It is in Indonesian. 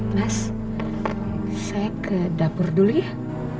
mas saya ke dapur dulu ya